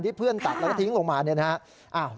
เพื่อนตัดแล้วก็ทิ้งลงมาเนี่ยนะครับ